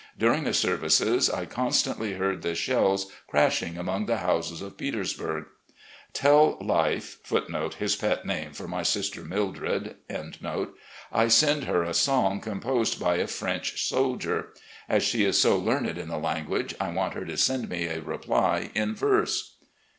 Dtuing the services, I constantly heard the shells crashing among the houses of Petersburg. Tell 'Life't I send her a song composed by a French soldier. As she is so learned in the language, I want her to send me a reply in verse."